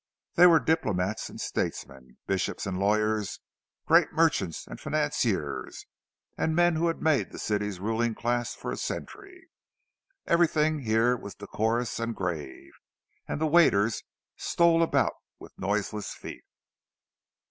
They were diplomats and statesmen, bishops and lawyers, great merchants and financiers—the men who had made the city's ruling class for a century. Everything here was decorous and grave, and the waiters stole about with noiseless feet.